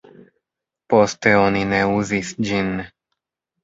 Poste oni ne uzis ĝin.